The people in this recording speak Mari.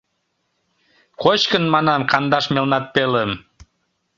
Кочкын, манам, кандаш мелнат пелым.